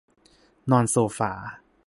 นอนโซฟา